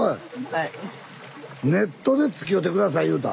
はい。